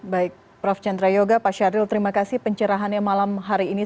baik prof chandra yoga pak syahril terima kasih pencerahannya malam hari ini